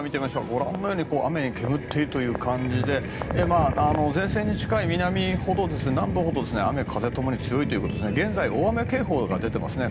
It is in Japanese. ご覧のように雨で煙っている感じで前線に近い南部ほど雨風共に強いということで現在、大雨警報が出ていますね。